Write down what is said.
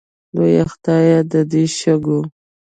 لویه خدایه د دې شګو